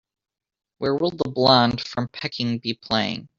Where will The Blonde from Peking be playing